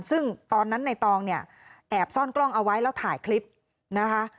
ซึ่งตอนนั้นในตองเนี่ยแอบซ่อนกล้องเอาไว้แล้วถ่ายคลิปนะคะ